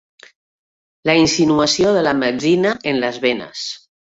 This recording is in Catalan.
La insinuació de la metzina en les venes.